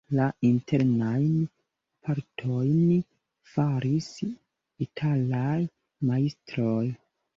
La internajn partojn faris italaj majstroj.